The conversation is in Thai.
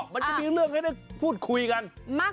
มันจะได้พูดคุยกัน